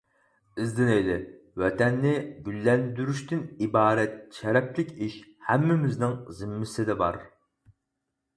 ئىزدىنەيلى، ۋەتەننى گۈللەندۈرۈشتىن ئىبارەت شەرەپلىك ئىش ھەممىمىزنىڭ زىممىسىدە بار.